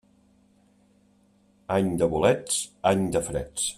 Any de bolets, any de freds.